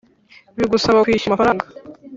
bigusaba kwishyura amafaranga